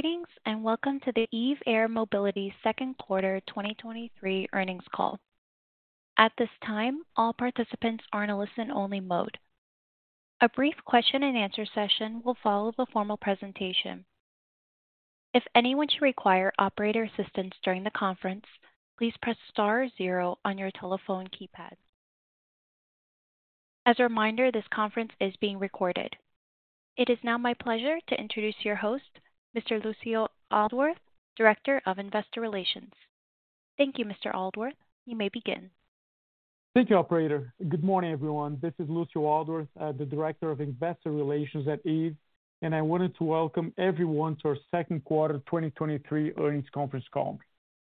Greetings, welcome to the Eve Holding second quarter 2023 earnings call. At this time, all participants are in a listen-only mode. A brief question and answer session will follow the formal presentation. If anyone should require operator assistance during the conference, please press star 0 on your telephone keypad. As a reminder, this conference is being recorded. It is now my pleasure to introduce your host, Mr. Lucio Aldworth, Director of Investor Relations. Thank you, Mr. Aldworth. You may begin. Thank you, operator. Good morning, everyone. This is Lucio Aldworth, the Director of Investor Relations at Eve, and I wanted to welcome everyone to our second quarter 2023 earnings conference call.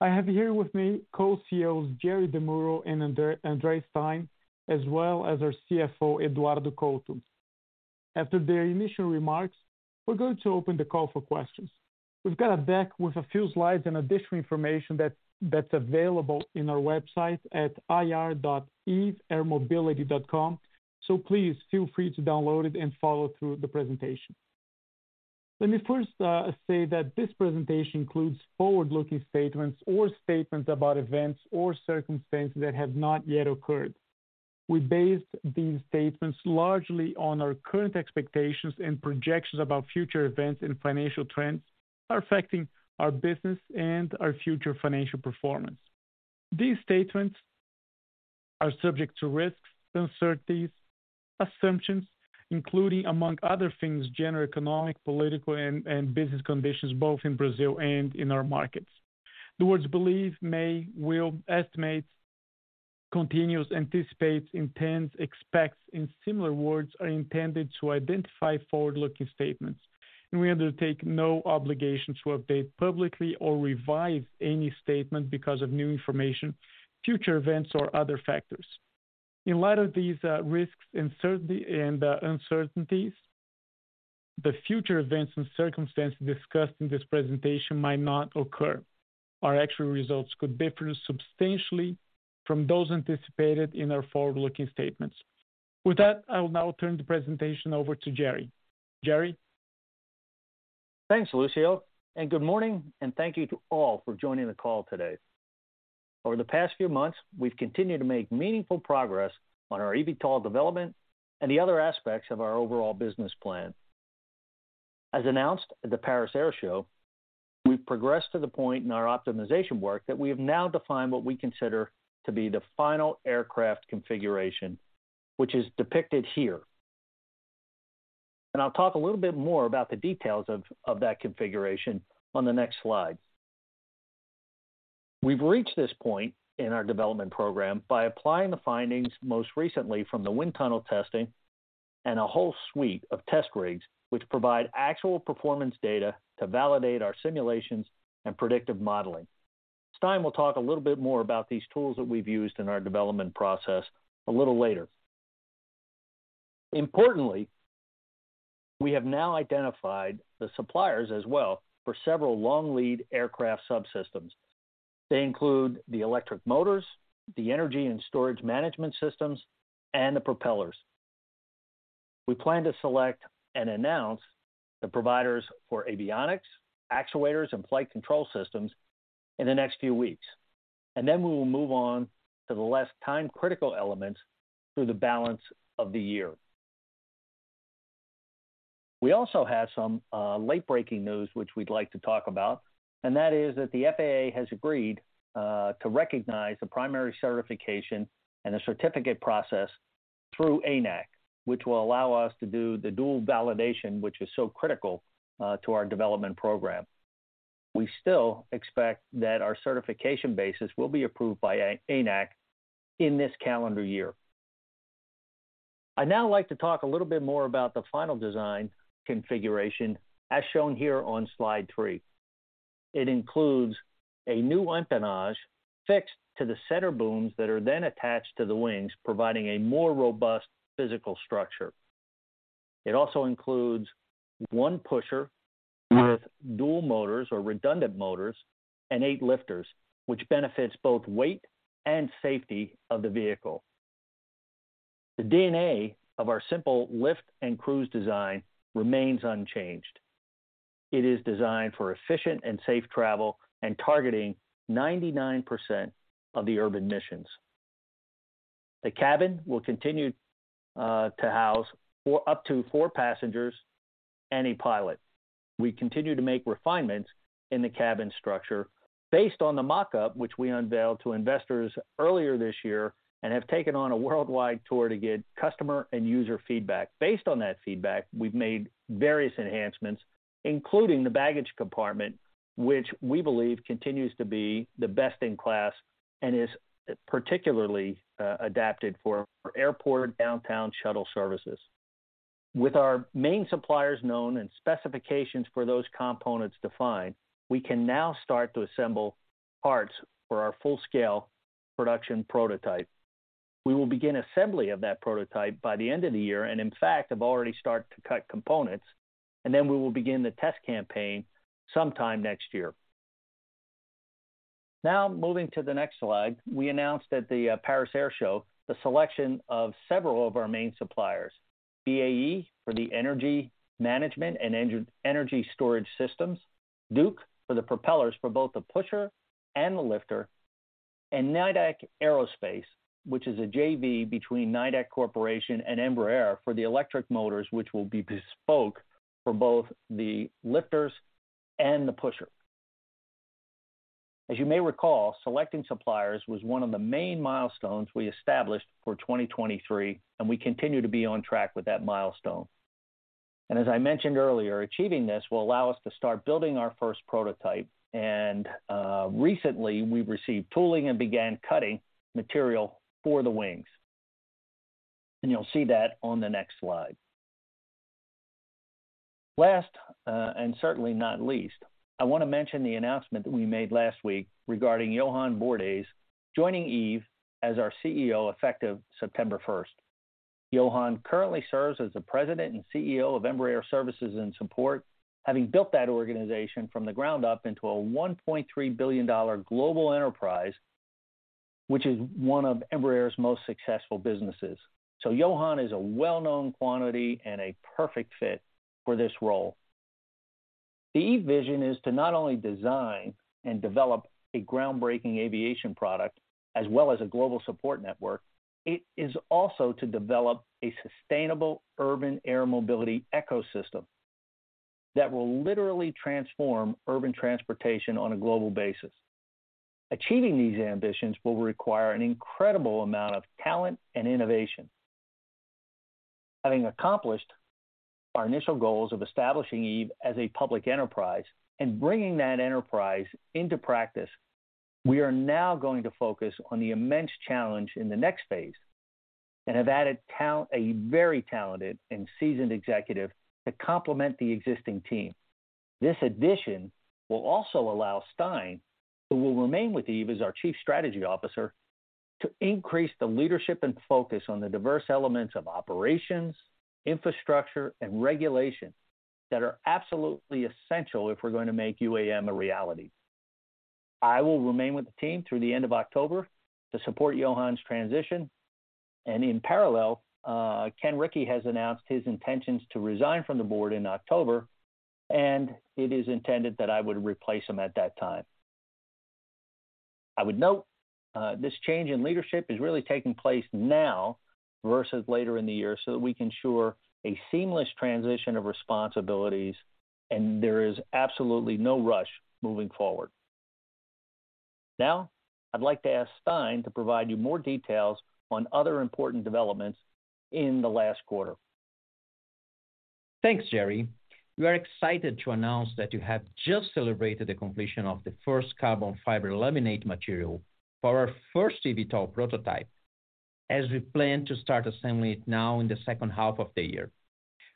I have here with me Co-CEOs, Jerry De Muro and Andre Stein, as well as our CFO, Eduardo Couto. After their initial remarks, we're going to open the call for questions. We've got a deck with a few slides and additional information that's available in our website at ir.eveairmobility.com. Please feel free to download it and follow through the presentation. Let me first say that this presentation includes forward-looking statements or statements about events or circumstances that have not yet occurred. We based these statements largely on our current expectations and projections about future events and financial trends are affecting our business and our future financial performance. These statements are subject to risks, uncertainties, assumptions, including, among other things, general economic, political, and business conditions, both in Brazil and in our markets. The words believe, may, will, estimates, continues, anticipates, intends, expects, and similar words are intended to identify forward-looking statements. We undertake no obligation to update publicly or revise any statement because of new information, future events, or other factors. In light of these risks, uncertainty, and uncertainties, the future events and circumstances discussed in this presentation might not occur. Our actual results could differ substantially from those anticipated in our forward-looking statements. With that, I will now turn the presentation over to Jerry. Jerry? Thanks, Lucio, and good morning, and thank you to all for joining the call today. Over the past few months, we've continued to make meaningful progress on our eVTOL development and the other aspects of our overall business plan. As announced at the Paris Air Show, we've progressed to the point in our optimization work that we have now defined what we consider to be the final aircraft configuration, which is depicted here. I'll talk a little bit more about the details of that configuration on the next slide. We've reached this point in our development program by applying the findings, most recently from the wind tunnel testing and a whole suite of test rigs, which provide actual performance data to validate our simulations and predictive modeling. Stein will talk a little bit more about these tools that we've used in our development process a little later. Importantly, we have now identified the suppliers as well for several long-lead aircraft subsystems. They include the electric motors, the energy and storage management systems, and the propellers. We plan to select and announce the providers for avionics, actuators, and flight control systems in the next few weeks, and then we will move on to the less time-critical elements through the balance of the year. We also have some late-breaking news, which we'd like to talk about, and that is that the FAA has agreed to recognize the primary certification and the certificate process through ANAC, which will allow us to do the dual validation, which is so critical to our development program. We still expect that our certification basis will be approved by ANAC in this calendar year. I'd now like to talk a little bit more about the final design configuration, as shown here on slide 3. It includes a new empennage fixed to the center booms that are then attached to the wings, providing a more robust physical structure. It also includes one pusher with dual motors or redundant motors and eight lifters, which benefits both weight and safety of the vehicle. The DNA of our simple lift-and-cruise design remains unchanged. It is designed for efficient and safe travel and targeting 99% of the urban missions. The cabin will continue to house up to four passengers and a pilot. We continue to make refinements in the cabin structure based on the mock-up, which we unveiled to investors earlier this year and have taken on a worldwide tour to get customer and user feedback. Based on that feedback, we've made various enhancements, including the baggage compartment, which we believe continues to be the best-in-class and is particularly adapted for airport downtown shuttle services. With our main suppliers known and specifications for those components defined, we can now start to assemble parts for our full-scale production prototype. We will begin assembly of that prototype by the end of the year, and in fact, have already started to cut components, and then we will begin the test campaign sometime next year. Now, moving to the next slide. We announced at the Paris Air Show the selection of several of our main suppliers, BAE for the energy management and energy storage systems, DUC for the propellers for both the pusher and the lifter, and Nidec Aerospace, which is a JV between Nidec Corporation and Embraer, for the electric motors, which will be bespoke for both the lifters and the pusher. As you may recall, selecting suppliers was one of the main milestones we established for 2023, and we continue to be on track with that milestone. As I mentioned earlier, achieving this will allow us to start building our first prototype and recently we received tooling and began cutting material for the wings. You'll see that on the next slide. Last, and certainly not least, I want to mention the announcement that we made last week regarding Johann Bordais joining Eve as our CEO, effective September 1st. Johann currently serves as the President and CEO of Embraer Services & Support, having built that organization from the ground up into a $1.3 billion global enterprise, which is one of Embraer's most successful businesses. Johann is a well-known quantity and a perfect fit for this role. The Eve vision is to not only design and develop a groundbreaking aviation product as well as a global support network, it is also to develop a sustainable urban air mobility ecosystem that will literally transform urban transportation on a global basis. Achieving these ambitions will require an incredible amount of talent and innovation. Having accomplished our initial goals of establishing Eve as a public enterprise and bringing that enterprise into practice, we are now going to focus on the immense challenge in the next phase, and have added talent, a very talented and seasoned executive to complement the existing team. This addition will also allow Stein, who will remain with Eve as our Chief Strategy Officer, to increase the leadership and focus on the diverse elements of operations, infrastructure, and regulation that are absolutely essential if we're going to make UAM a reality. I will remain with the team through the end of October to support Johann's transition. In parallel, Kenn Ricci has announced his intentions to resign from the board in October, and it is intended that I would replace him at that time. I would note, this change in leadership is really taking place now versus later in the year, so that we can ensure a seamless transition of responsibilities. There is absolutely no rush moving forward. Now, I'd like to ask Stein to provide you more details on other important developments in the last quarter. Thanks, Jerry. We are excited to announce that we have just celebrated the completion of the first carbon fiber laminate material for our first eVTOL prototype, as we plan to start assembling it now in the second half of the year.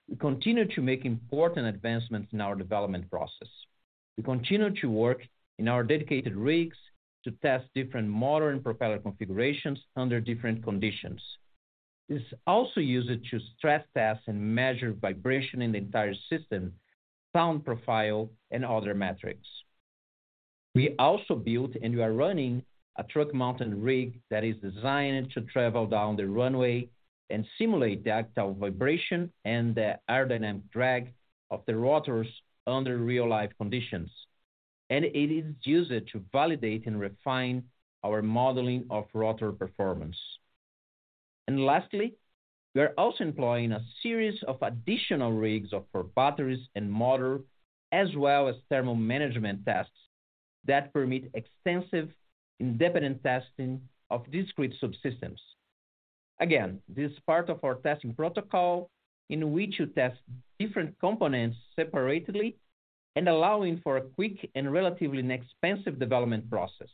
We continue to make important advancements in our development process. We continue to work in our dedicated rigs to test different motor and propeller configurations under different conditions. This is also used to stress test and measure vibration in the entire system, sound profile, and other metrics. We also built and we are running a truck-mounted rig that is designed to travel down the runway and simulate the actual vibration and the aerodynamic drag of the rotors under real-life conditions, and it is used to validate and refine our modeling of rotor performance. Lastly, we are also employing a series of additional rigs for batteries and motor, as well as thermal management tests that permit extensive independent testing of discrete subsystems. Again, this is part of our testing protocol, in which you test different components separately and allowing for a quick and relatively inexpensive development process.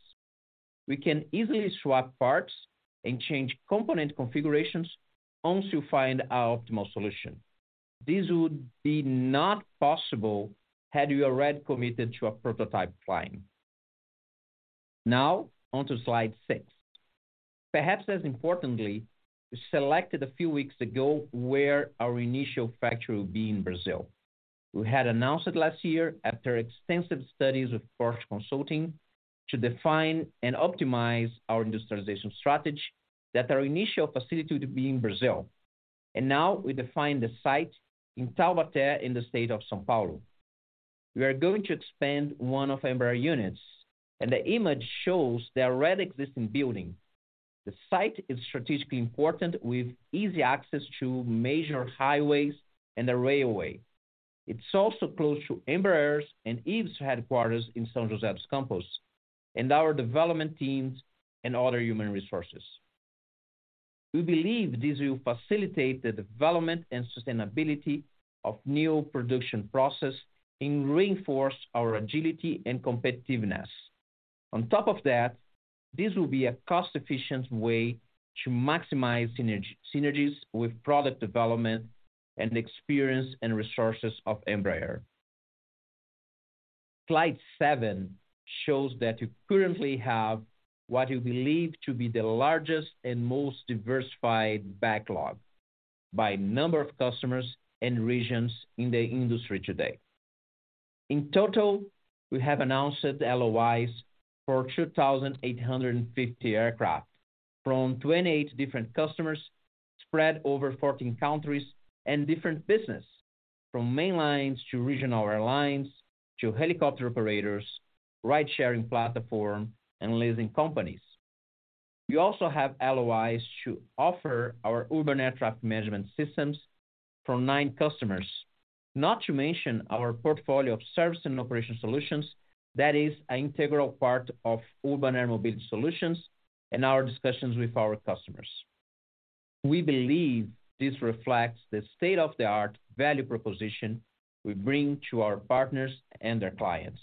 We can easily swap parts and change component configurations once you find our optimal solution. This would be not possible had we already committed to a prototype flying. Now, on to slide 6. Perhaps as importantly, we selected a few weeks ago where our initial factory will be in Brazil. We had announced it last year after extensive studies with Porsche Consulting to define and optimize our industrialization strategy that our initial facility to be in Brazil. Now we define the site in Taubaté, in the state of São Paulo. We are going to expand one of Embraer units, the image shows the already existing building. The site is strategically important, with easy access to major highways and a railway. It's also close to Embraer's and Eve's headquarters in São Jose dos Campos, and our development teams and other human resources. We believe this will facilitate the development and sustainability of new production process and reinforce our agility and competitiveness. On top of that, this will be a cost-efficient way to maximize synergies with product development and experience and resources of Embraer. Slide seven shows that we currently have what we believe to be the largest and most diversified backlog by number of customers and regions in the industry today. In total, we have announced LOIs for 2,850 aircraft from 28 different customers, spread over 14 countries and different businesses, from mainlines to regional airlines, to helicopter operators, ride-sharing platform, and leasing companies. We also have LOIs to offer our Urban Air Traffic Management systems for 9 customers. Not to mention our portfolio of service and operation solutions that is an integral part of urban air mobility solutions and our discussions with our customers. We believe this reflects the state-of-the-art value proposition we bring to our partners and their clients,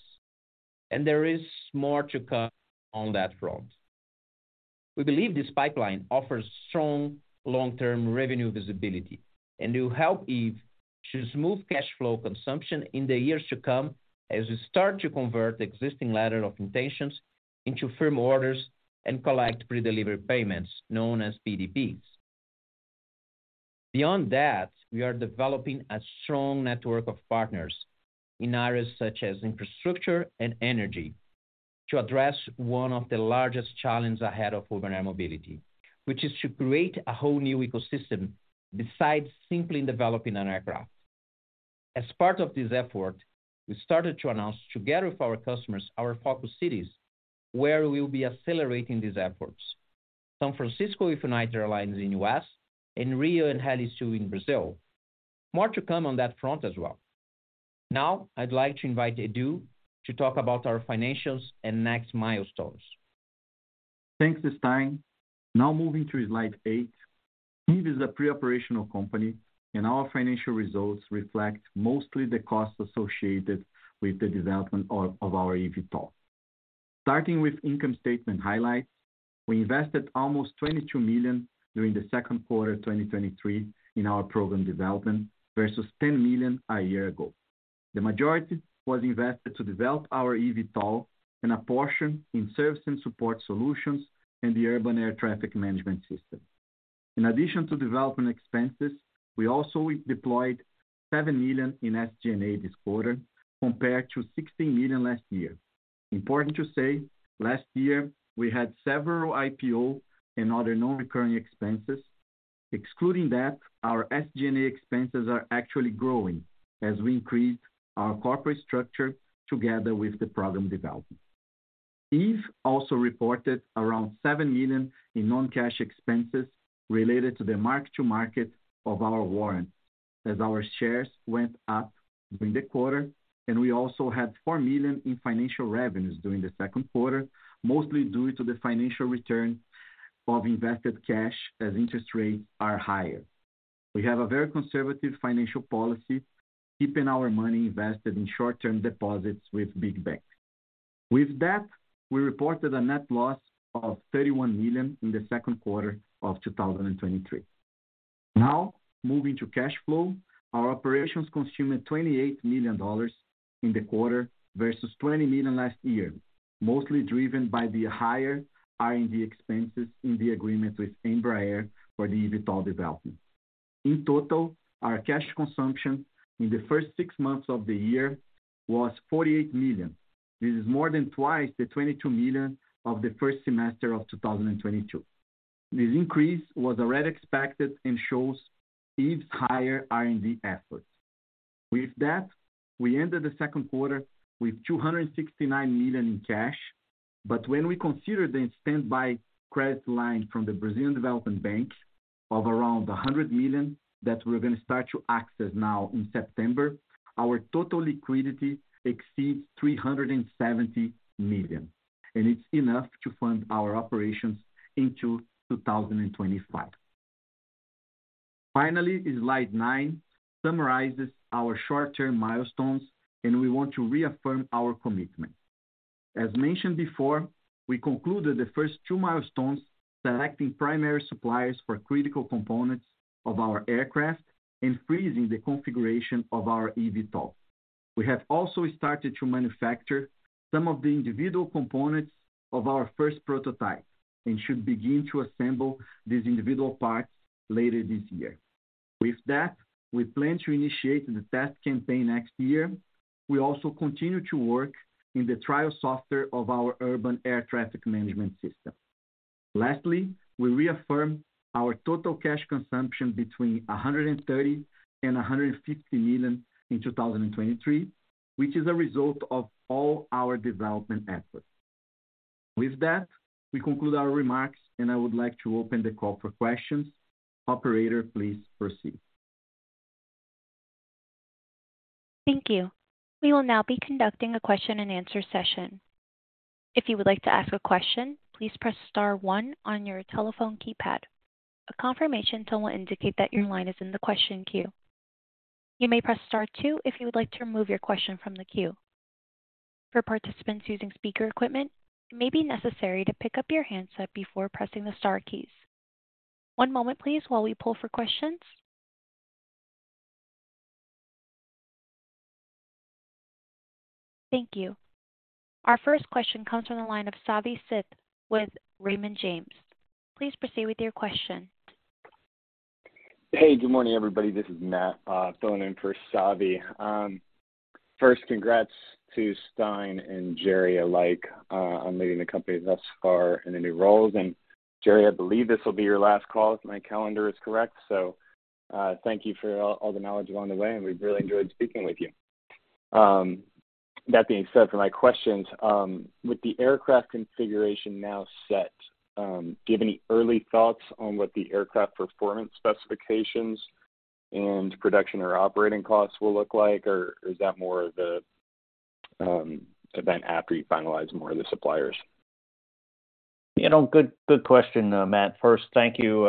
and there is more to come on that front. We believe this pipeline offers strong long-term revenue visibility and will help Eve to smooth cash flow consumption in the years to come, as we start to convert the existing ladder of intentions into firm orders and collect pre-delivery payments, known as PDPs. Beyond that, we are developing a strong network of partners in areas such as infrastructure and energy, to address one of the largest challenges ahead of urban air mobility, which is to create a whole new ecosystem besides simply developing an aircraft. As part of this effort, we started to announce together with our customers, our focus cities, where we will be accelerating these efforts. San Francisco with United Airlines in U.S., and Rio and Helisul in Brazil. More to come on that front as well. Now, I'd like to invite Edu, to talk about our financials and next milestones. Thanks, Stein. Now moving to slide 8. Eve is a pre-operational company, and our financial results reflect mostly the costs associated with the development of our eVTOL. Starting with income statement highlights, we invested almost $22 million during the second quarter, 2023 in our program development, versus $10 million a year ago. The majority was invested to develop our eVTOL and a portion in service and support solutions and the Urban Air Traffic Management system. In addition to development expenses, we also deployed $7 million in SG&A this quarter, compared to $16 million last year. Important to say, last year we had several IPO and other non-recurring expenses. Excluding that, our SG&A expenses are actually growing as we increase our corporate structure together with the program development. Eve also reported around $7 million in non-cash expenses related to the mark-to-market of our warrants, as our shares went up during the quarter. We also had $4 million in financial revenues during the second quarter, mostly due to the financial return of invested cash as interest rates are higher. We have a very conservative financial policy, keeping our money invested in short-term deposits with big banks. With that, we reported a net loss of $31 million in the second quarter of 2023. Now, moving to cash flow, our operations consumed $28 million in the quarter versus $20 million last year, mostly driven by the higher R&D expenses in the agreement with Embraer for the eVTOL development. In total, our cash consumption in the first six months of the year was $48 million. This is more than twice the $22 million of the first semester of 2022. This increase was already expected and shows Eve's higher R&D efforts. With that, we ended the second quarter with $269 million in cash. When we consider the standby credit line from the Brazilian Development Bank of around $100 million, that we're going to start to access now in September, our total liquidity exceeds $370 million, and it's enough to fund our operations into 2025. Finally, in slide 9, summarizes our short-term milestones, and we want to reaffirm our commitment. As mentioned before, we concluded the first two milestones, selecting primary suppliers for critical components of our aircraft and freezing the configuration of our eVTOL. We have also started to manufacture some of the individual components of our first prototype, and should begin to assemble these individual parts later this year. With that, we plan to initiate the test campaign next year. We also continue to work in the trial software of our Urban Air Traffic Management system. Lastly, we reaffirm our total cash consumption between $130 million and $150 million in 2023, which is a result of all our development efforts. With that, we conclude our remarks, and I would like to open the call for questions. Operator, please proceed. Thank you. We will now be conducting a question and answer session. If you would like to ask a question, please press star one on your telephone keypad. A confirmation tone will indicate that your line is in the question queue. You may press star two if you would like to remove your question from the queue. For participants using speaker equipment, it may be necessary to pick up your handset before pressing the star keys. One moment, please, while we pull for questions. Thank you. Our first question comes from the line of Savanthi Syth with Raymond James. Please proceed with your question. Hey, good morning, everybody. This is Matt, filling in for Syth. First, congrats to Stein and Jerry alike, on leading the company thus far in the new roles. Jerry, I believe this will be your last call, if my calendar is correct. Thank you for all, all the knowledge along the way, and we've really enjoyed speaking with you. That being said, for my questions, with the aircraft configuration now set, do you have any early thoughts on what the aircraft performance specifications and production or operating costs will look like? Is that more of the, event after you finalize more of the suppliers? You know, good, good question, Matt. First, thank you,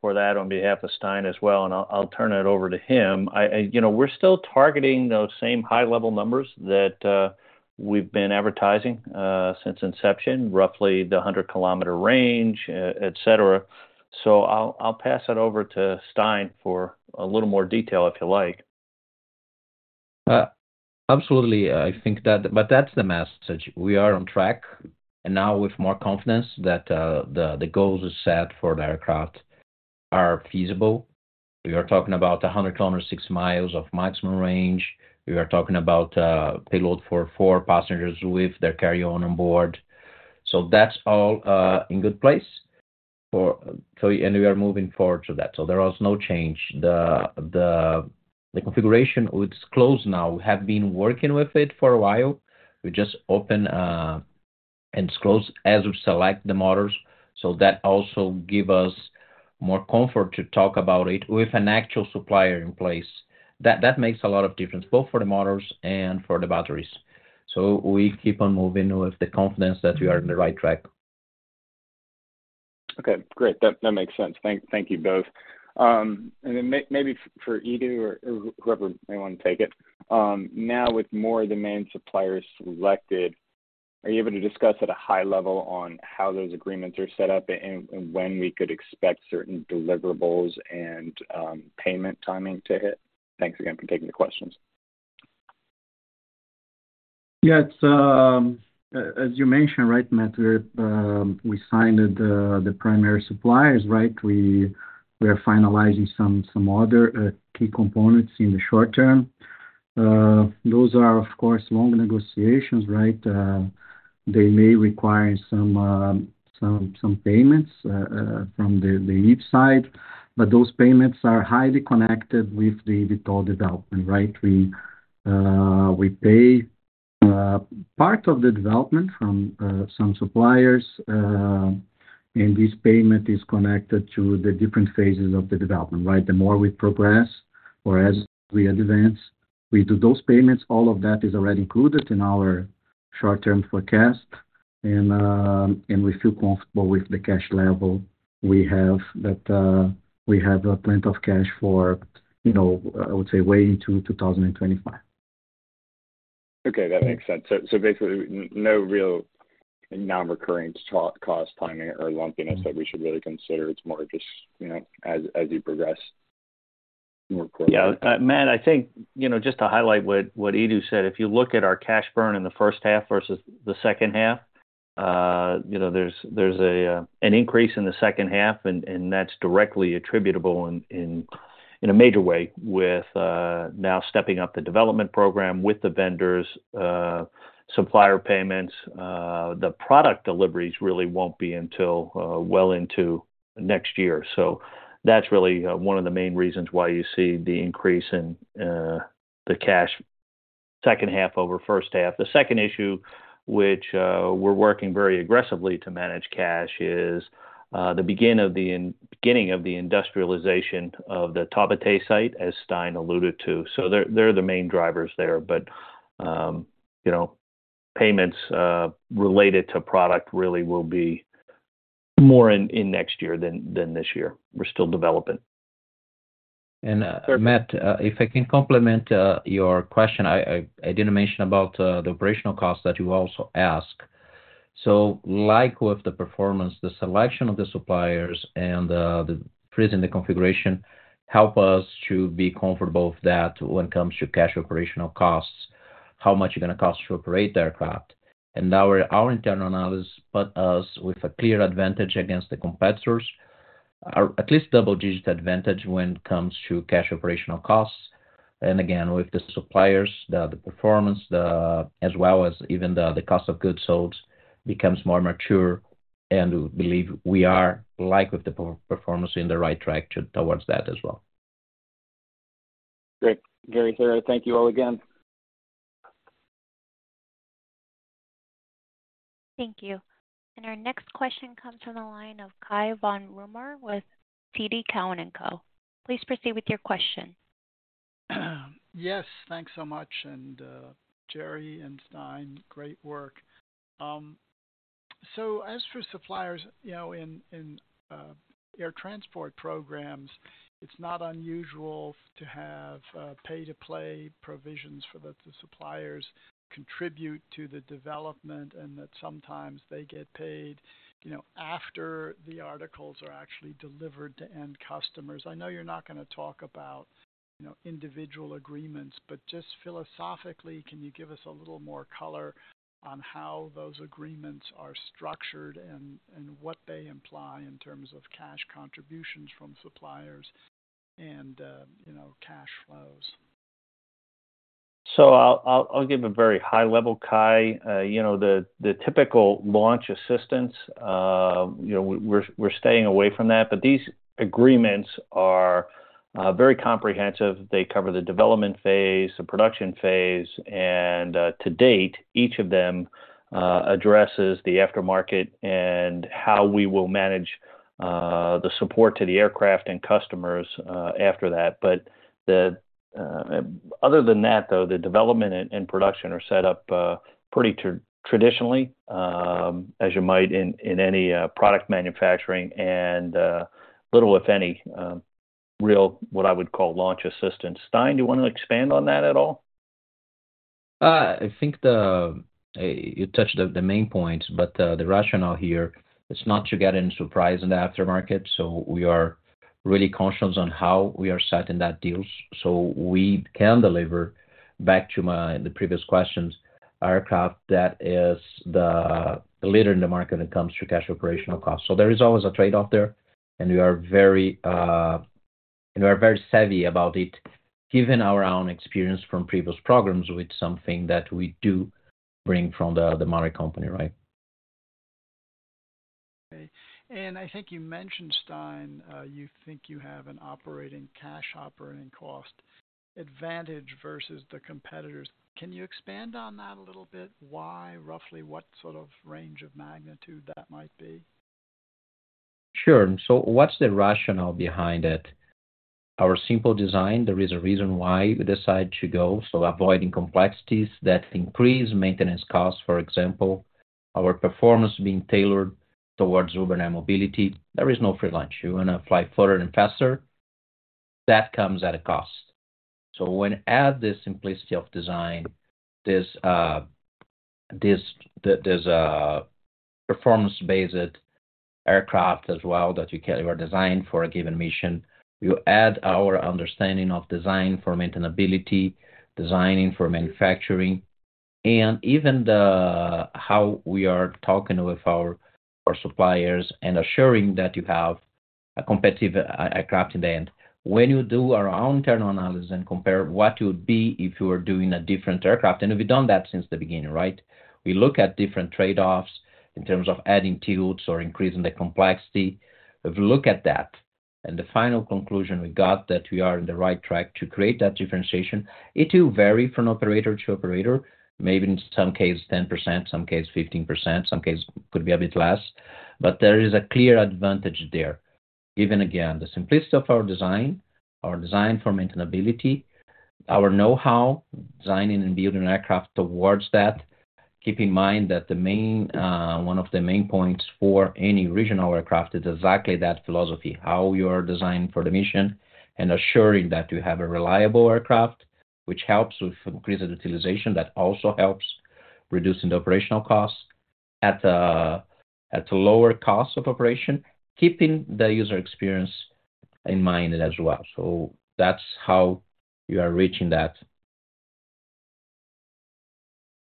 for that on behalf of Stein as well, and I'll, I'll turn it over to him. You know, we're still targeting those same high-level numbers that we've been advertising since inception, roughly the 100 km range, et cetera. I'll, I'll pass it over to Stein for a little more detail, if you like. Absolutely. I think that's the message. We are on track, and now with more confidence that the goals set for the aircraft are feasible. We are talking about 100 km, 6 mi of maximum range. We are talking about payload for four passengers with their carry-on on board. That's all in good place for. We are moving forward to that, there was no change. The configuration, it's closed now. We have been working with it for a while. We just open and close as we select the motors. That also give us more comfort to talk about it with an actual supplier in place. That makes a lot of difference, both for the motors and for the batteries. We keep on moving with the confidence that we are in the right track. Okay, great. That, that makes sense. Thank, thank you both. Then maybe for Edu or, or whoever may want to take it. Now, with more of the main suppliers selected, are you able to discuss at a high level on how those agreements are set up and, and when we could expect certain deliverables and payment timing to hit? Thanks again for taking the questions. Yeah, it's, as you mentioned, right, Matt, we signed the, the, the primary suppliers, right. We, we are finalizing some, some other, key components in the short term. Those are, of course, long negotiations, right. They may require some, some, some payments, from the, the each side, but those payments are highly connected with the total development, right. We, we pay, part of the development from, some suppliers, and this payment is connected to the different phases of the development, right. The more we progress or as we advance, we do those payments. All of that is already included in our short-term forecast, and we feel comfortable with the cash level we have, that, we have plenty of cash for, you know, I would say way into 2025. Okay, that makes sense. basically no real non-recurring cost timing or lumpiness that we should really consider. It's more just, you know, as you progress more clearly. Yeah, Matt, I think, you know, just to highlight what, what Edu said, if you look at our cash burn in the first half versus the second half, you know, there's, there's an increase in the second half, and that's directly attributable in, in, in a major way with now stepping up the development program with the vendors, supplier payments. The product deliveries really won't be until well into next year. That's really one of the main reasons why you see the increase in the cash second half over first half. The second issue, which we're working very aggressively to manage cash is the beginning of the industrialization of the Taubaté site, as Stein alluded to. They're, they're the main drivers there, but, you know, payments, related to product really will be more in, in next year than, than this year. We're still developing. Matt, if I can complement your question, I didn't mention about the operational costs that you also asked. Like with the performance, the selection of the suppliers and the freeze in the configuration, help us to be comfortable with that when it comes to cash operational costs, how much it's gonna cost to operate the aircraft. Our internal analysis put us with a clear advantage against the competitors, or at least double-digit advantage when it comes to cash operational costs. Again, with the suppliers, the performance, as well as even the cost of goods sold, becomes more mature, and we believe we are like with the performance in the right track towards that as well. Great. Jerry here, thank you all again. Thank you. Our next question comes from the line of Cai von Rumohr with TD Cowen & Co. Please proceed with your question. Yes, thanks so much, and Jerry and Stein, great work. As for suppliers, you know, in, in air transport programs, it's not unusual to have pay-to-play provisions for the, the suppliers contribute to the development and that sometimes they get paid, you know, after the articles are actually delivered to end customers. I know you're not gonna talk about, you know, individual agreements, but just philosophically, can you give us a little more color on how those agreements are structured and what they imply in terms of cash contributions from suppliers and, you know, cash flows? I'll, I'll, I'll give a very high level, Cai. The, the typical launch assistance, we're, we're staying away from that. These agreements are very comprehensive. They cover the development phase, the production phase, and to date, each of them addresses the aftermarket and how we will manage the support to the aircraft and customers after that. The other than that, though, the development and production are set up pretty traditionally, as you might in any product manufacturing and little if any real, what I would call launch assistance. Stein, do you want to expand on that at all? I think the, you touched the, the main points, the rationale here is not to get any surprise in the aftermarket, so we are really conscious on how we are setting that deals. We can deliver back to my, the previous questions, aircraft that is the, the leader in the market when it comes to cash operational costs. There is always a trade-off there, and we are very, and we are very savvy about it, given our own experience from previous programs, with something that we do bring from the, the Maury Company, right? Okay. I think you mentioned, Stein, you think you have an operating, cash operating cost advantage versus the competitors. Can you expand on that a little bit? Why, roughly, what sort of range of magnitude that might be? Sure. What's the rationale behind it? Our simple design, there is a reason why we decided to go. Avoiding complexities that increase maintenance costs, for example, our performance being tailored towards urban air mobility. There is no free lunch. You want to fly further and faster, that comes at a cost. When add the simplicity of design, this, there's a performance-based aircraft as well, that you can... were designed for a given mission. You add our understanding of design for maintainability, designing for manufacturing, and even how we are talking with our, our suppliers and assuring that you have a competitive aircraft at the end. When you do our own internal analysis and compare what you would be if you were doing a different aircraft, and we've done that since the beginning, right? We look at different trade-offs in terms of adding tilts or increasing the complexity. We've looked at that, and the final conclusion we got, that we are on the right track to create that differentiation. It will vary from operator to operator, maybe in some cases 10%, some cases 15%, some cases could be a bit less, but there is a clear advantage there. Given, again, the simplicity of our design, our design for maintainability, our know-how, designing and building an aircraft towards that. Keep in mind that the main, one of the main points for any regional aircraft is exactly that philosophy, how you are designing for the mission and assuring that you have a reliable aircraft, which helps with increased utilization. That also helps reducing the operational costs at a, at a lower cost of operation, keeping the user experience in mind as well. That's how we are reaching that.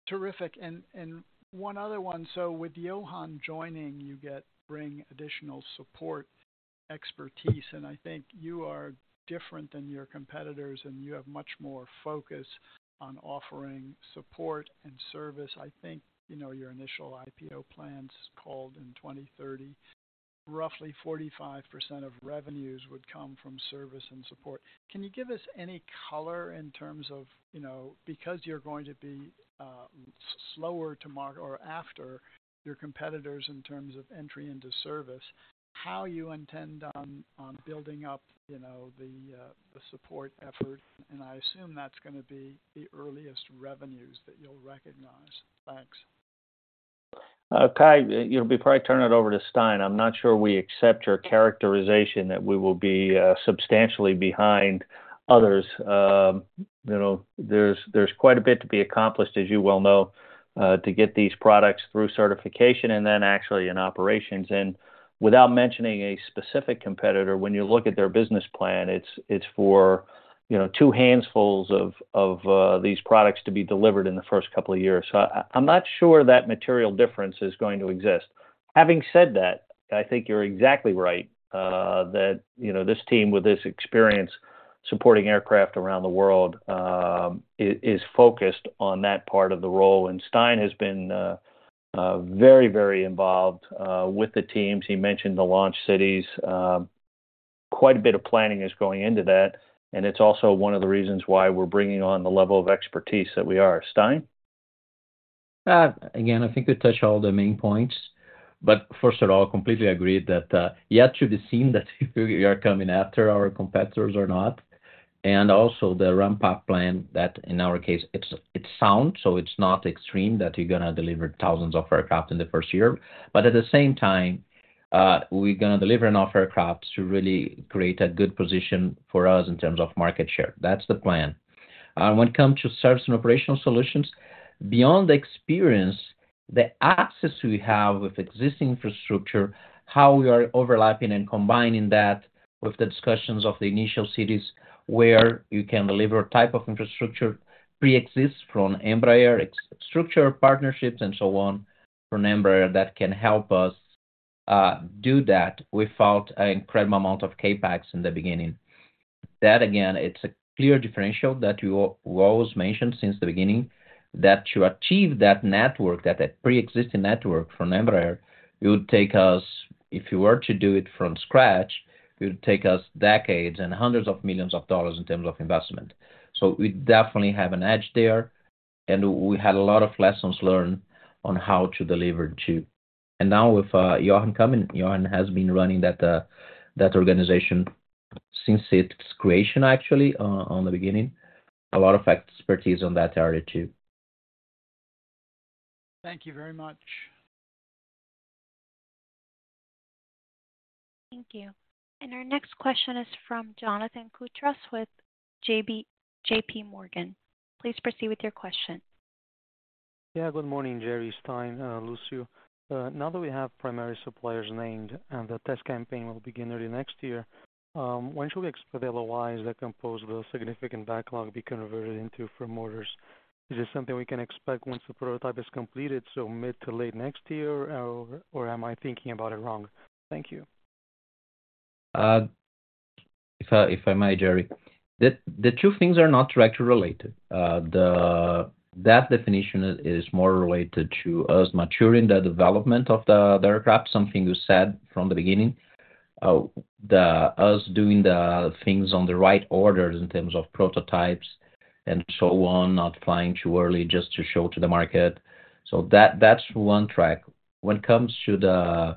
Terrific. One other one. With Johann joining, you get, bring additional support, expertise, and I think you are different than your competitors, and you have much more focus on offering support and service. I think, you know, your initial IPO plans called in 2030, roughly 45% of revenues would come from service and support. Can you give us any color in terms of, you know, because you're going to be slower to market or after your competitors in terms of entry into service, how you intend on, on building up, you know, the support effort? I assume that's gonna be the earliest revenues that you'll recognize. Thanks. Cai, you'll probably turn it over to Stein. I'm not sure we accept your characterization that we will be substantially behind others. You know, there's quite a bit to be accomplished, as you well know, to get these products through certification and then actually in operations. Without mentioning a specific competitor, when you look at their business plan, it's for, you know, 2 handfuls of these products to be delivered in the first couple of years. So I'm not sure that material difference is going to exist. Having said that, I think you're exactly right, that, you know, this team with this experience supporting aircraft around the world, is focused on that part of the role, and Stein has been very, very involved with the teams. He mentioned the launch cities. Quite a bit of planning is going into that, and it's also one of the reasons why we're bringing on the level of expertise that we are. Stein? Again, I think we touched all the main points. First of all, I completely agree that yet to be seen that we are coming after our competitors or not, and also the ramp-up plan that in our case, it's sound. It's not extreme that we're gonna deliver thousands of aircraft in the first year. At the same time, we're gonna deliver enough aircraft to really create a good position for us in terms of market share. That's the plan. When it comes to service and operational solutions, beyond the experience, the access we have with existing infrastructure, how we are overlapping and combining that with the discussions of the initial cities where you can deliver type of infrastructure, preexists from Embraer, structure, partnerships, and so on, from Embraer, that can help us-... do that without an incredible amount of CapEx in the beginning. Again, it's a clear differential that you, we always mentioned since the beginning, that to achieve that network, that, that pre-existing network from Embraer, it would take us, if you were to do it from scratch, it would take us decades and hundreds of millions of dollars in terms of investment. We definitely have an edge there, and we had a lot of lessons learned on how to deliver, too. Now with Johan coming, Johan has been running that, that organization since its creation, actually, on the beginning. A lot of expertise on that area, too. Thank you very much. Thank you. Our next question is from Jonathan Koutras with JPMorgan. Please proceed with your question. Yeah, good morning, Jerry, Stein, Lucio. Now that we have primary suppliers named and the test campaign will begin early next year, when should we expect the LOIs that compose will significant backlog be converted into firm orders? Is this something we can expect once the prototype is completed, so mid to late next year, or am I thinking about it wrong? Thank you. If I, if I may, Jerry. The two things are not directly related. That definition is more related to us maturing the development of the aircraft, something you said from the beginning. Us doing the things on the right order in terms of prototypes and so on, not flying too early just to show to the market. That, that's one track. When it comes to the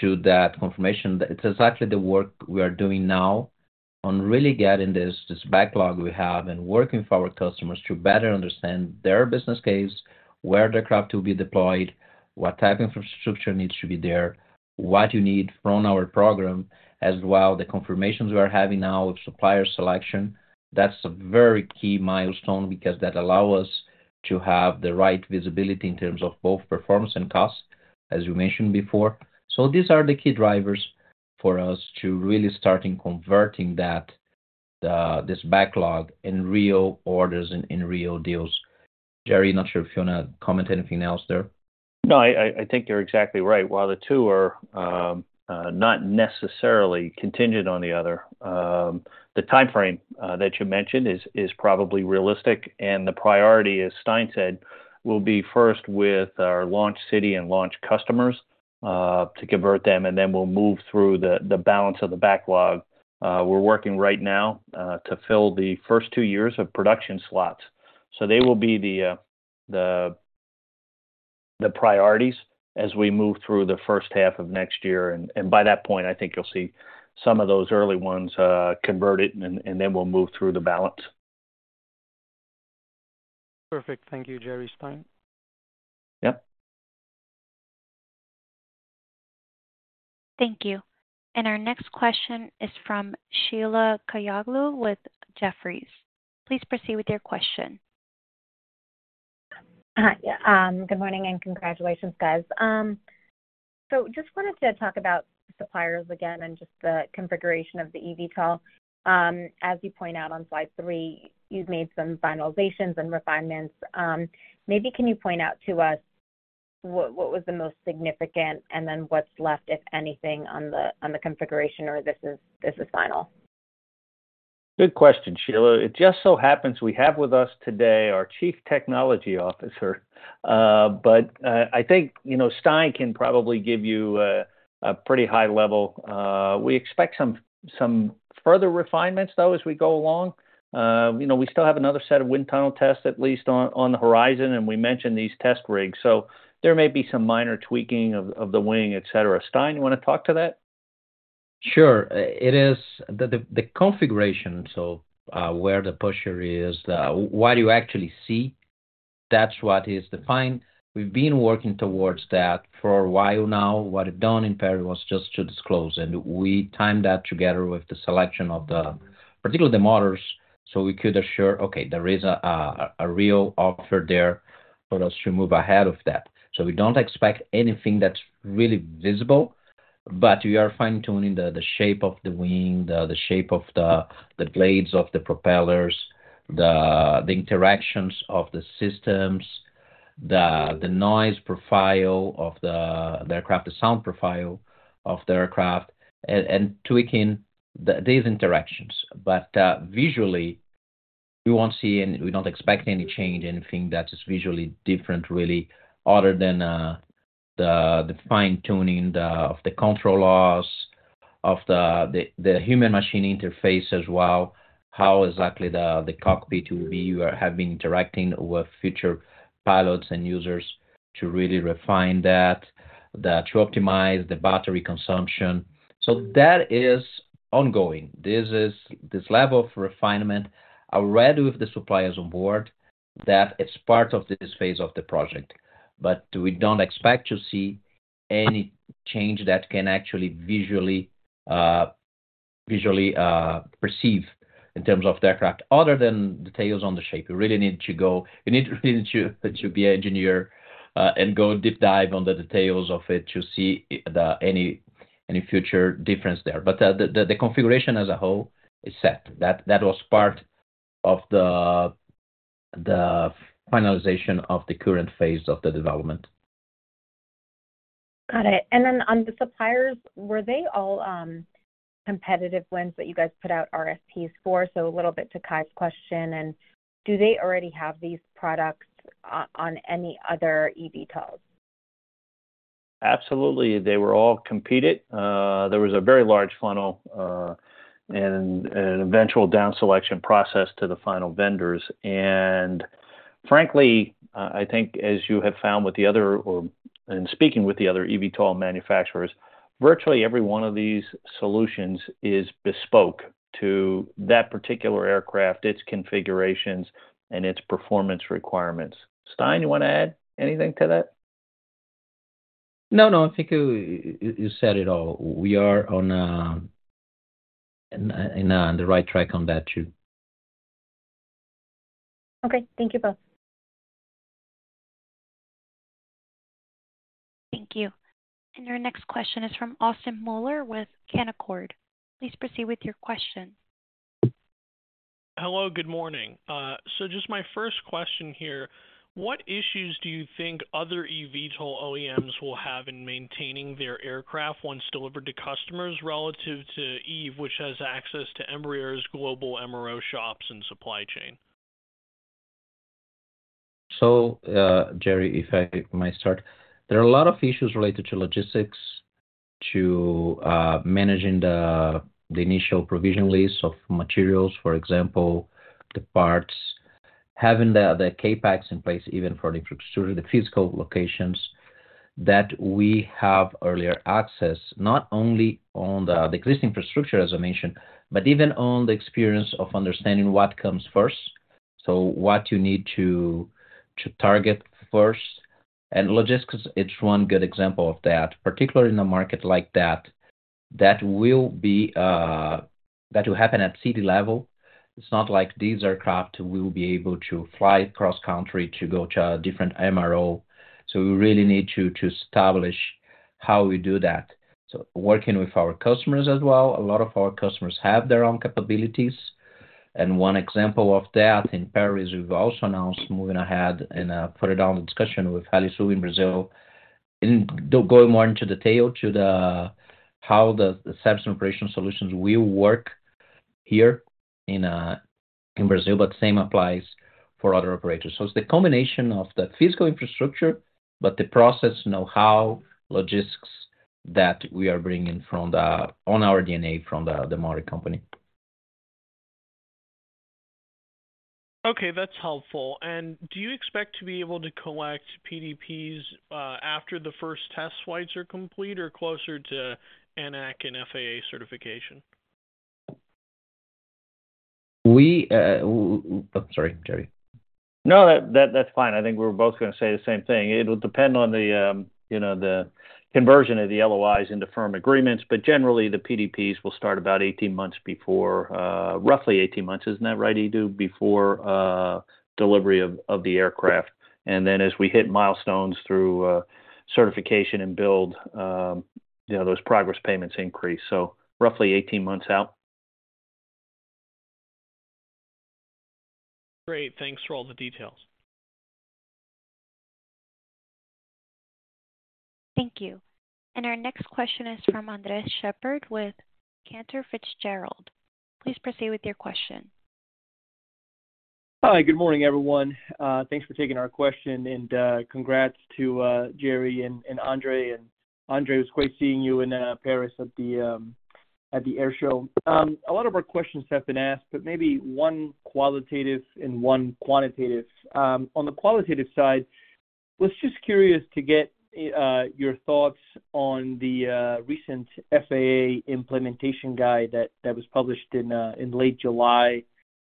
to that confirmation, it's exactly the work we are doing now on really getting this, this backlog we have and working with our customers to better understand their business case, where the craft will be deployed, what type of infrastructure needs to be there, what you need from our program, as well, the confirmations we are having now of supplier selection. That's a very key milestone because that allows us to have the right visibility in terms of both performance and cost, as you mentioned before. These are the key drivers for us to really start in converting that, this backlog in real orders and in real deals. Jerry, I'm not sure if you want to comment anything else there. No, I, I, I think you're exactly right. While the two are not necessarily contingent on the other, the timeframe that you mentioned is probably realistic, and the priority, as Stein said, will be first with our launch city and launch customers to convert them, and then we'll move through the balance of the backlog. We're working right now to fill the first 2 years of production slots. They will be the priorities as we move through the first half of next year, and by that point, I think you'll see some of those early ones converted, and then we'll move through the balance. Perfect. Thank you, Jerry Stein. Yep. Thank you. Our next question is from Sheila Kahyaoglu with Jefferies. Please proceed with your question. Hi, good morning and congratulations, guys. Just wanted to talk about suppliers again and just the configuration of the eVTOL. As you point out on slide 3, you've made some finalizations and refinements. Maybe can you point out to us what, what was the most significant and then what's left, if anything, on the, on the configuration, or this is, this is final? Good question, Sheila. It just so happens we have with us today our Chief Technology Officer. I think, you know, Stein can probably give you a, a pretty high level. We expect some, some further refinements, though, as we go along. You know, we still have another set of wind tunnel tests, at least on, on the horizon, and we mentioned these test rigs, so there may be some minor tweaking of, of the wing, et cetera. Stein, you want to talk to that? Sure. It is the, the, the configuration, so, where the pusher is, what you actually see, that's what is defined. We've been working towards that for a while now. What it done in Paris was just to disclose, and we timed that together with the selection of the, particularly the motors, so we could assure, okay, there is a, a, a real offer there for us to move ahead of that. We don't expect anything that's really visible, but we are fine-tuning the, the shape of the wing, the, the shape of the, the blades of the propellers, the, the interactions of the systems, the, the noise profile of the aircraft, the sound profile of the aircraft, and, and tweaking the, these interactions. Visually, we won't see any... we don't expect any change, anything that is visually different really, other than the, the fine-tuning the, of the control loss, of the, the, the human machine interface as well, how exactly the, the cockpit will be. We have been interacting with future pilots and users to really refine that, to optimize the battery consumption. That is ongoing. This is, this level of refinement, already with the suppliers on board, that is part of this phase of the project. We don't expect to see any change that can actually visually, visually perceive in terms of the aircraft, other than details on the shape. You really need to go you need really to, to be an engineer, and go deep dive on the details of it to see the, any, any future difference there. The, the, the configuration as a whole is set. That, that was part of the finalization of the current phase of the development. Got it. Then on the suppliers, were they all, competitive ones that you guys put out RFPs for? So a little bit to Cai's question, and do they already have these products on, on any other eVTOLs? Absolutely, they were all competed. There was a very large funnel, and an eventual down selection process to the final vendors. Frankly, I think as you have found with the other, or in speaking with the other eVTOL manufacturers, virtually every one of these solutions is bespoke to that particular aircraft, its configurations, and its performance requirements. Stein, you want to add anything to that? No, no, I think you, you said it all. We are on a, on the right track on that too. Okay, thank you both. Thank you. Our next question is from Austin Moeller with Canaccord. Please proceed with your question. Hello, good morning. My first question here, what issues do you think other eVTOL OEMs will have in maintaining their aircraft once delivered to customers relative to Eve, which has access to Embraer's global MRO shops and supply chain? Jerry, if I might start. There are a lot of issues related to logistics, to managing the, the initial provision list of materials, for example, the parts. Having the, the CapEx in place, even for the infrastructure, the physical locations that we have earlier access, not only on the existing infrastructure, as I mentioned, but even on the experience of understanding what comes first, so what you need to, to target first. Logistics, it's one good example of that, particularly in a market like that, that will be that will happen at city level. It's not like these aircraft will be able to fly cross-country to go to a different MRO, so we really need to, to establish how we do that. Working with our customers as well. A lot of our customers have their own capabilities. One example of that, in Paris, we've also announced moving ahead in a further down discussion with Helisul in Brazil. going more into detail to the, how the service operation solutions will work here in Brazil. Same applies for other operators. It's the combination of the physical infrastructure, but the process know-how, logistics that we are bringing from on our DNA, from the Maury Company. Okay, that's helpful. Do you expect to be able to collect PDPs, after the first test flights are complete or closer to ANAC and FAA certification? We. Sorry, Jerry. No, that, that's fine. I think we were both going to say the same thing. It'll depend on the, you know, the conversion of the LOIs into firm agreements, but generally, the PDPs will start about 18 months before, roughly 18 months, isn't that right, Edu? Before, delivery of, of the aircraft. Then as we hit milestones through, certification and build, you know, those progress payments increase, so roughly 18 months out. Great. Thanks for all the details. Thank you. Our next question is from Andres Sheppard with Cantor Fitzgerald. Please proceed with your question. Hi, good morning, everyone. Thanks for taking our question, congrats to Jerry and Andre. Andre, it was great seeing you in Paris at the air show. A lot of our questions have been asked, but maybe one qualitative and one quantitative. On the qualitative side, was just curious to get your thoughts on the recent FAA implementation guide that was published in late July.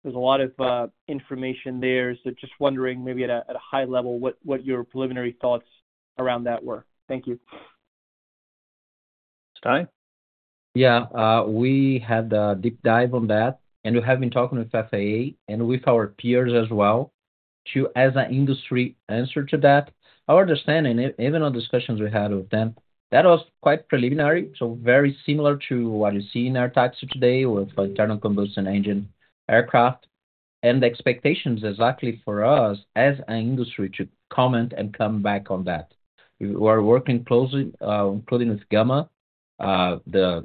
There's a lot of information there, so just wondering maybe at a high level, what, what your preliminary thoughts around that were. Thank you. Stein? Yeah, we had a deep dive on that, and we have been talking with FAA and with our peers as well, to as an industry answer to that. Our understanding, even on discussions we had with them, that was quite preliminary, so very similar to what you see in our taxi today with internal combustion engine aircraft, and the expectations exactly for us as an industry to comment and come back on that. We are working closely, including with Gama. There are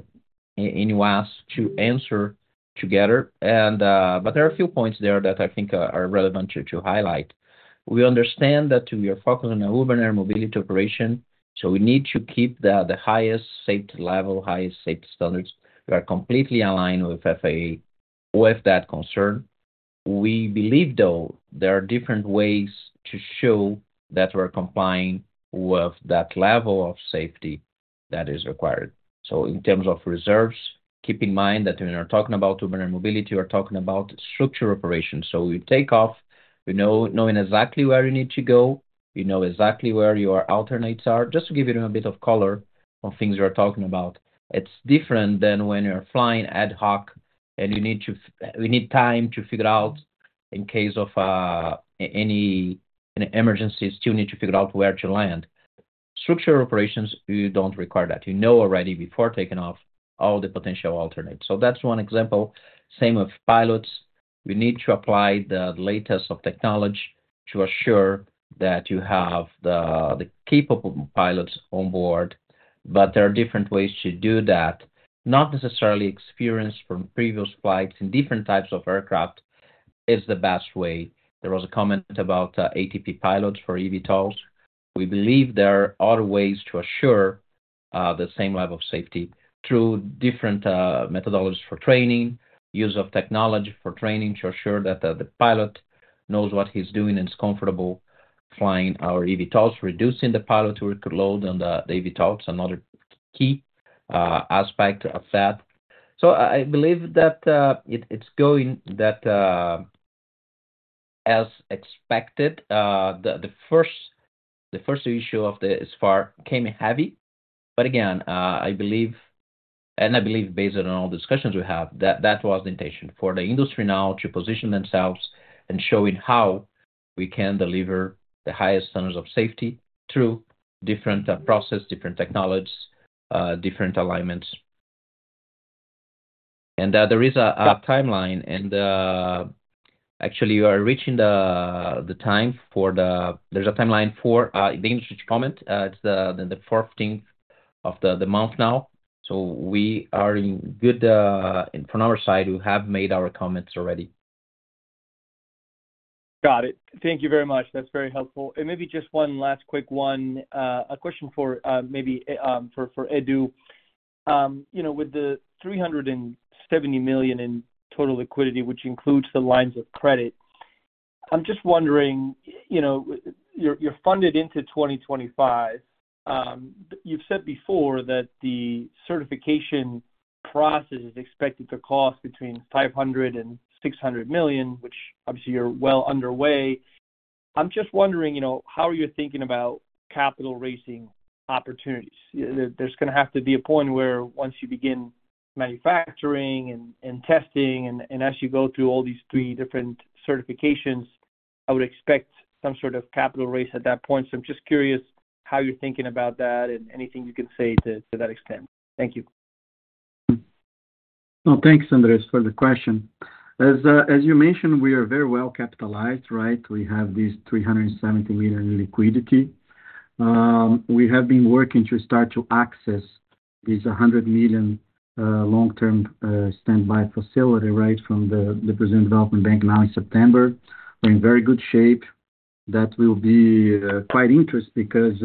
a few points there that I think are relevant to highlight. We understand that we are focused on urban air mobility operation, so we need to keep the highest safety level, highest safety standards. We are completely aligned with FAA, with that concern. We believe, though, there are different ways to show that we're complying with that level of safety that is required. In terms of reserves, keep in mind that when we are talking about urban air mobility, we're talking about structure operations. We take off, knowing exactly where you need to go, we know exactly where your alternates are. Just to give you a bit of color on things we are talking about. It's different than when you're flying ad hoc and you need to, we need time to figure out in case of any emergency, still need to figure out where to land. Structure operations, you don't require that. You know already before taking off all the potential alternates. That's one example. Same with pilots. We need to apply the latest of technology to assure that you have the, the capable pilots on board. There are different ways to do that. Not necessarily experience from previous flights and different types of aircraft is the best way. There was a comment about ATP pilots for eVTOLs. We believe there are other ways to assure the same level of safety through different methodologies for training, use of technology for training, to ensure that the, the pilot knows what he's doing and is comfortable flying our eVTOLs, reducing the pilot workload on the eVTOLs, another key aspect of that. I believe that, it, it's going that, as expected, the, the first, the first issue of the SFAR came heavy. Again, I believe, and I believe based on all the discussions we have, that that was the intention for the industry now to position themselves and showing how we can deliver the highest standards of safety through different process, different technologies, different alignments. There is a timeline, and actually, you are reaching the time for the there's a timeline for the industry to comment. It's the 14th of the month now, so we are in good... From our side, we have made our comments already. Got it. Thank you very much. That's very helpful. Maybe just one last quick one. A question for maybe for for Edu. You know, with the $370 million in total liquidity, which includes the lines of credit, I'm just wondering, you know, you're, you're funded into 2025. You've said before that the certification process is expected to cost between $500 million-$600 million, which obviously you're well underway. I'm just wondering, you know, how are you thinking about capital raising opportunities? There's gonna have to be a point where once you begin manufacturing and, and testing, and, and as you go through all these three different certifications, I would expect some sort of capital raise at that point. I'm just curious how you're thinking about that and anything you can say to, to that extent. Thank you. Well, thanks, Andres, for the question. As you mentioned, we are very well capitalized, right? We have this $370 million in liquidity. We have been working to start to access these $100 million long-term standby facility, right, from the Brazilian Development Bank now in September. We're in very good shape. That will be quite interesting because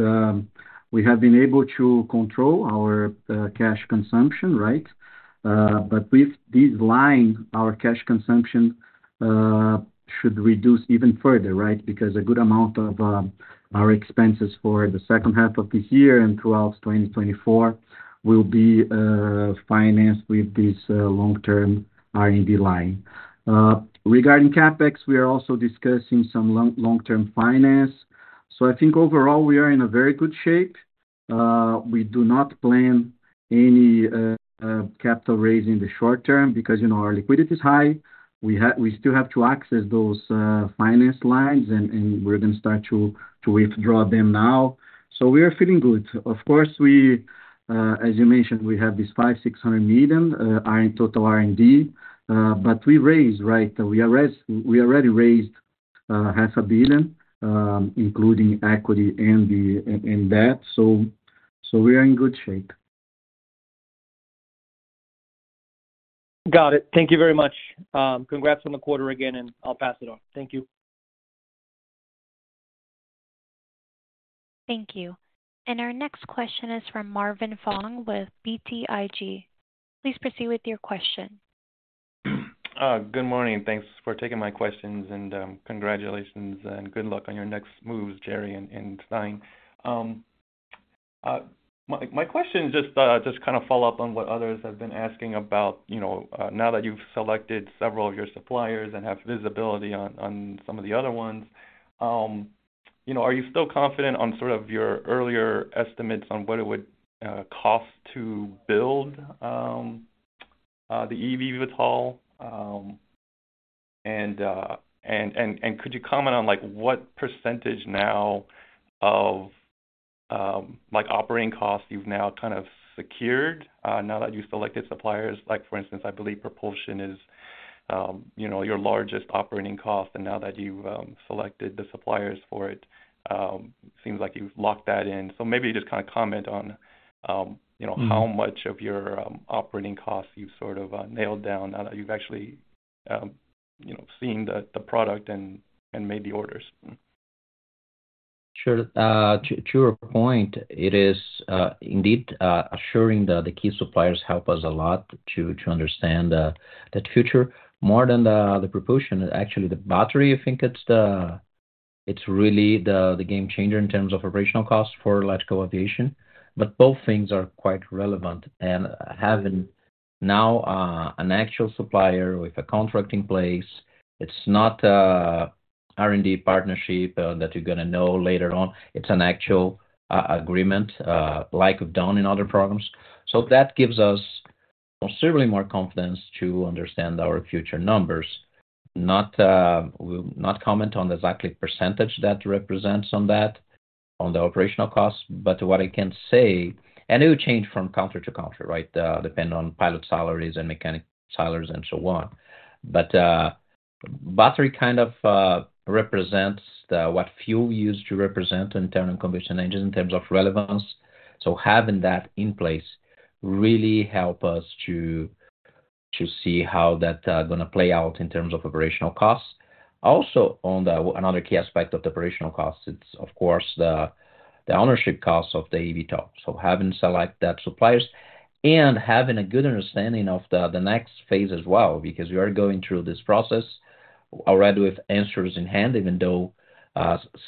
we have been able to control our cash consumption, right? With this line, our cash consumption should reduce even further, right? Because a good amount of our expenses for the second half of this year and throughout 2024 will be financed with this long-term R&D line. Regarding CapEx, we are also discussing some long, long-term finance. I think overall, we are in a very good shape. We do not plan any capital raise in the short term because, you know, our liquidity is high. We still have to access those finance lines, and we're going to start to withdraw them now. We are feeling good. Of course, we, as you mentioned, we have this $500 million-$600 million in total R&D, but we raised, right? We already raised $500 million, including equity and debt, so we are in good shape. Got it. Thank you very much. Congrats on the quarter again, and I'll pass it on. Thank you. Thank you. Our next question is from Marvin Fong with BTIG. Please proceed with your question. Good morning. Thanks for taking my questions, and congratulations and good luck on your next moves, Jerry and Stein. My question just kind of follow up on what others have been asking about, you know, now that you've selected several of your suppliers and have visibility on some of the other ones. Are you still confident on sort of your earlier estimates on what it would cost to build the eVTOL? Could you comment on, like, what percentage now of, like, operating costs you've now kind of secured, now that you've selected suppliers? Like, for instance, I believe propulsion is, you know, your largest operating cost, and now that you've selected the suppliers for it, seems like you've locked that in. Maybe just kind of comment on, you know, how much of your operating costs you've sort of nailed down now that you've actually, you know, seen the, the product and, and made the orders? Sure. To your point, it is indeed assuring that the key suppliers help us a lot to understand that future. More than the proportion, actually, the battery, I think it's the game changer in terms of operational costs for electrical aviation, but both things are quite relevant. Having now an actual supplier with a contract in place, it's not a R&D partnership that you're gonna know later on. It's an actual agreement like we've done in other programs. That gives us considerably more confidence to understand our future numbers. Not, we'll not comment on exactly percentage that represents on that, on the operational costs, but what I can say, and it will change from country to country, right? Depending on pilot salaries and mechanic salaries, and so on. Battery kind of represents the, what fuel used to represent internal combustion engines in terms of relevance. Having that in place really help us to, to see how that gonna play out in terms of operational costs. Also, on the, another key aspect of the operational costs, it's of course, the, the ownership costs of the eVTOL. Having select that suppliers and having a good understanding of the, the next phase as well, because we are going through this process already with answers in hand, even though,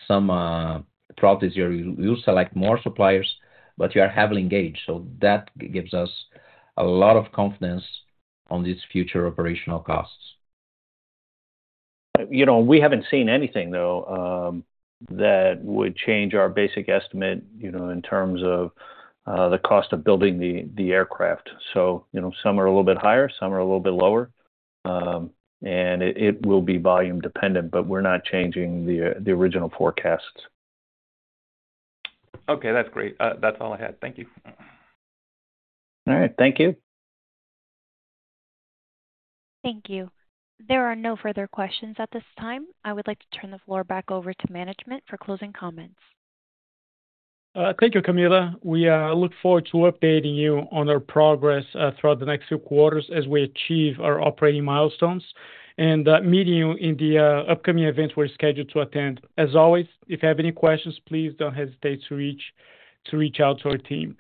some properties you, you select more suppliers, but you are heavily engaged. That gives us a lot of confidence on these future operational costs. You know, we haven't seen anything, though, that would change our basic estimate, you know, in terms of the cost of building the, the aircraft. You know, some are a little bit higher, some are a little bit lower. It, it will be volume dependent, but we're not changing the, the original forecasts. Okay, that's great. That's all I had. Thank you. All right, thank you. Thank you. There are no further questions at this time. I would like to turn the floor back over to management for closing comments. Thank you, Camilla. We look forward to updating you on our progress throughout the next few quarters as we achieve our operating milestones, and meeting you in the upcoming events we're scheduled to attend. As always, if you have any questions, please don't hesitate to reach, to reach out to our team.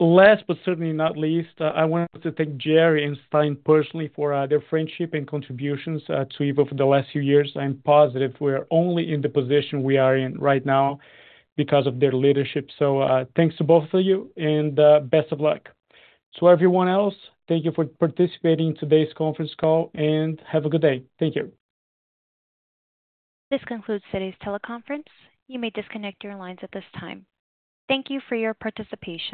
Last but certainly not least, I wanted to thank Jerry and Stein personally for their friendship and contributions to Eve for the last few years. I'm positive we're only in the position we are in right now because of their leadership. Thanks to both of you, and best of luck. To everyone else, thank you for participating in today's conference call, and have a good day. Thank you. This concludes today's teleconference. You may disconnect your lines at this time. Thank you for your participation.